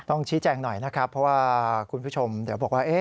ชี้แจงหน่อยนะครับเพราะว่าคุณผู้ชมเดี๋ยวบอกว่า